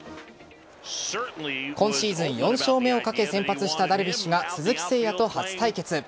今シーズン４勝目をかけ先発したダルビッシュが鈴木誠也と初対決。